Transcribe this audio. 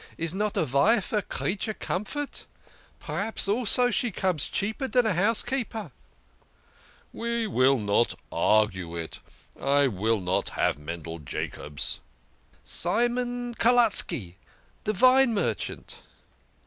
Is not a vife a creature comfort ? P'raps also she comes cheaper dan a housekeeper." " We will not argue it. I will not have Mendel Jacobs." "Simon Kelutski, de vine merchant."